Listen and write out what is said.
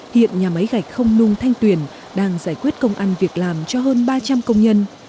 hiện nhà máy gạch không nung thanh tuyền đang giải quyết công ăn việc làm cho hơn ba trăm linh công nhân